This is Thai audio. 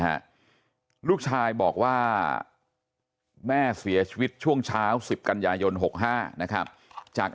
ฮะลูกชายบอกว่าแม่เสียชีวิตช่วงเช้าสิบกันยายนหกห้านะครับจาก